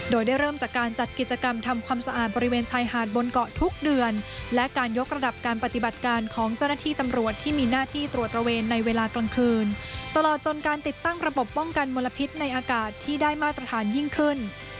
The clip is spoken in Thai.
โดยได้เริ่มจากการจัดกิจกรรมทำความสะอาดบริเวณชายหาดบนเกาะทุกเดือนและการยกระดับการปฏิบัติการของเจ้าหน้าที่ตำรวจที่มีหน้าที่ตรวจตระเวนในเวลากลางคืนตลอดจนการติดตั้งระบบป้องกันมลพิษในอากาศที่ได้มาตรฐานยิ่งขึ้น